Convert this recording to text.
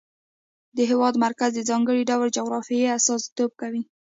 د هېواد مرکز د ځانګړي ډول جغرافیه استازیتوب کوي.